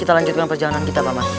kita lanjutkan perjalanan kita bapak